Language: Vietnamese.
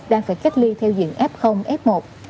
đang phải cách ly theo diện f f một